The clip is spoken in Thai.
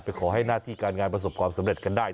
ขอให้หน้าที่การงานประสบความสำเร็จกันได้